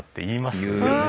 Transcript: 言いますね。